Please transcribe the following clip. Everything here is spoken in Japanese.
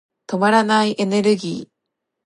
止まらないエネルギー。